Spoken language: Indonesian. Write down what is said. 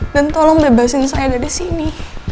dan tolong bebasin saya dari sini